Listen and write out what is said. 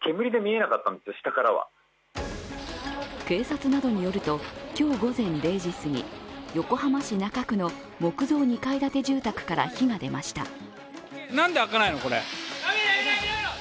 警察などによると、今日午前０時すぎ、横浜市中区の木造２階建て住宅から火が出ました。